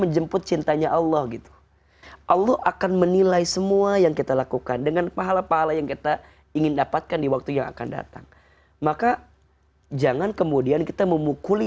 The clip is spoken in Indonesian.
jangan kemudian kita memukuli